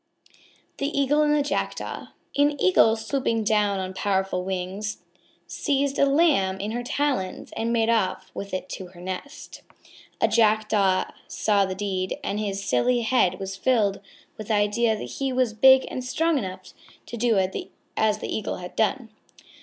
_ THE EAGLE AND THE JACKDAW An Eagle, swooping down on powerful wings, seized a lamb in her talons and made off with it to her nest. A Jackdaw saw the deed, and his silly head was filled with the idea that he was big and strong enough to do as the Eagle had done.